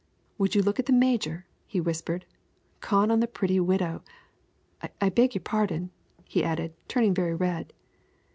"Will you look at the major?" he whispered. "Gone on the pretty widow I beg your pardon," he added, turning very red.